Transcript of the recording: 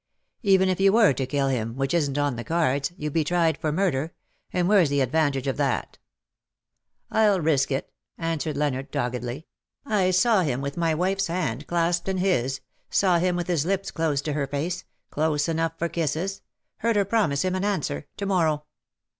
Even if you were to kill him, which isn^t on the cards, jou'd be tried for murder ; and whereas the advantage of that?'^ 259 ^' ni risk it/^ answered Leonard^ doggedly,, " I saw him with my wife's hand clasped in his — saw him with his lips close to her face — ^close enough for kisses — heard her promise him an answer — to morrow.